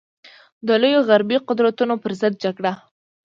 د لویو غربي قدرتونو پر ضد جګړه.